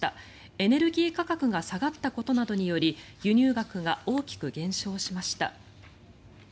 エネルギー価格が下がったことなどにより輸入額が大きく減少しました。